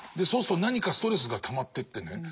そうすると何かストレスがたまってってね